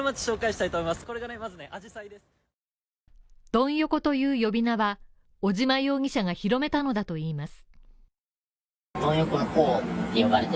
ドン横という呼び名は、尾島容疑者が広めたのだといいます。